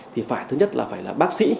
thì phải thứ nhất là phải là bác sĩ